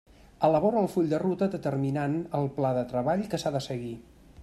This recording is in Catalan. Elabora el full de ruta determinant el pla de treball que s'ha de seguir.